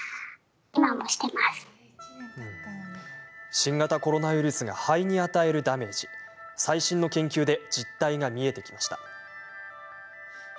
新型コロナウイルスが肺に与えるダメージ最新の研究で実態が見えてきました。